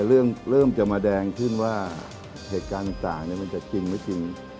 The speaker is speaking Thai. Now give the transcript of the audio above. เริ่มจะมาแดงขึ้นว่าเหตุการณ์ต่างมันจะจริงไม่จริง